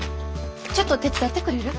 ちょっと手伝ってくれる？